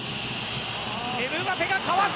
エムバペがかわす！